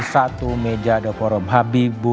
satu meja ada forum habibu